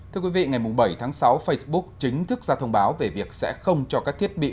thưa quý vị ngày bảy tháng sáu facebook chính thức ra thông báo về việc sẽ không cho các thiết bị